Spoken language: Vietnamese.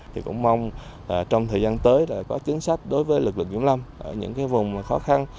thì cũng mong trong thời gian tới có chính sách đối với lực lượng kiểm lâm ở những vùng khó khăn